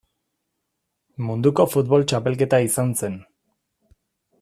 Munduko Futbol Txapelketa izan zen.